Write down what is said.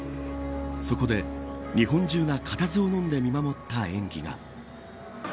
そこで、日本中がかたずをのんで見守った演技が。